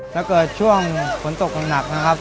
ถ้าเกิดช่วงฝนตกหนักนะครับ